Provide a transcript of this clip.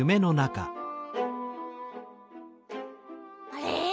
あれ？